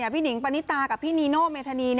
หนิงปณิตากับพี่นีโน่เมธานี